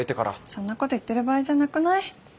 そんなこと言ってる場合じゃなくない？